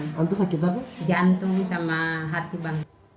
emus sakit tapi dia masih berantung sama hati bangsa